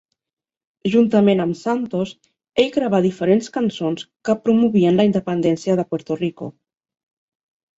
Juntament amb Santos, ell gravà diferents cançons que promovien la independència de Puerto Rico.